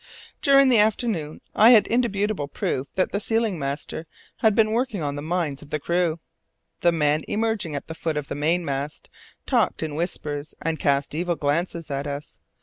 During the afternoon I had indubitable proof that the sealing master had been working on the minds of the crew. The men, emerging at the foot of the mainmast, talked in whispers and cast evil glances at us.